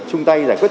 chung tay giải quyết